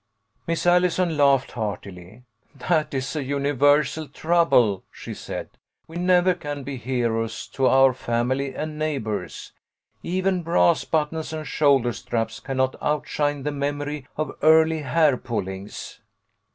Miss Allison laughed heartily. "That's a uni versal trouble," she said. " We never can be heroes to our family and neighbours. Even brass buttons and shoulder straps cannot outshine the memory of early hair pullings.